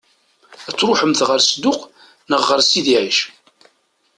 Ad tṛuḥemt ɣer Sedduq neɣ ɣer Sidi Ɛic?